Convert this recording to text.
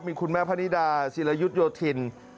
มีคุณแม่พนิดาศิรยุทธโยธิน